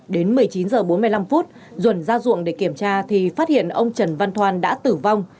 đến một mươi chín h bốn mươi năm duẩn ra ruộng để kiểm tra thì phát hiện ông trần văn thoan đã tử vong